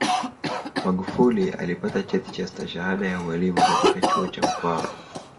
magufuli alipata cheti cha stashahada ya ualimu katika chuo cha mkwawa